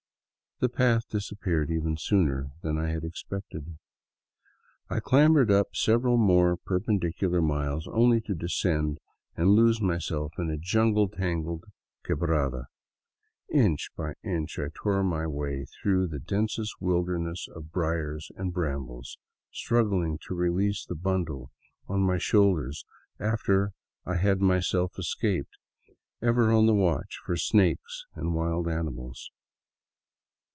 The path disappeared even sooner than I had expected. I clambered up several more per pendicular miles, only to descend and lose myself in a jungle tangled quebrada. Inch by inch I tore my way through the densest wilder ness of briars and brambles, struggling to release the bundle on my shoulders after I had myself escaped, ever on the watch for snakes and wild animals.